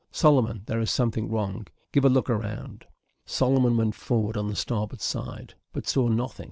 Solomon, there is something wrong, give a look all round." Solomon went forward on the starboard side, but saw nothing.